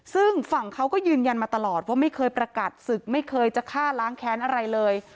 ซึ่งฝั่งเขาก็ยืนยันมาตลอดว่าไม่เคยประกาศศึกไม่เคยจะฆ่าล้างแค้นอะไรเลย